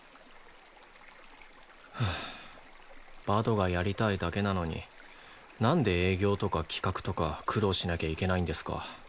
バドがやりたいだけなのになんで営業とか企画とか苦労しなきゃいけないんですか？